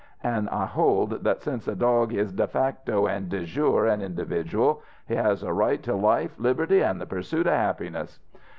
An' I hold that since a dog is de facto an' de jure an individual, he has a right to life, liberty an' the pursuit of happiness.